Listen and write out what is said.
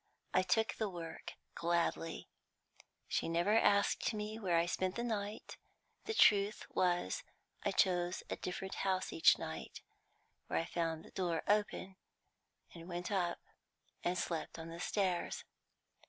I took the work gladly. She never asked me where I spent the night; the truth was I chose a different house each night, where I found the door open, and went up and slept on the stairs.